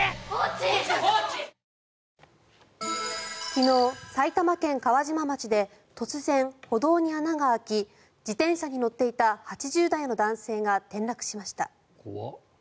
昨日、埼玉県川島町で突然、歩道に穴が開き自転車に乗っていた８０代の男性が転落しました。